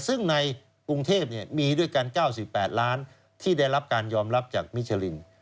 ซึ่งในกรุงเทพมีด้วยกัน๙๘ล้านที่ได้รับการยอมรับจากมิชลิน